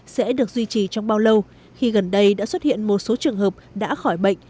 sẽ được duy trì trong bao lâu khi gần đây đã xuất hiện một số trường hợp đã khỏi bệnh